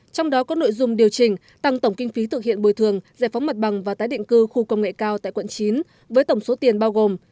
trong đó có nội dung điều chỉnh tăng tổng kinh phí thực hiện bồi thường giải phóng mặt bằng và tái định cư khu công nghệ cao tại quận chín với tổng số tiền bao gồm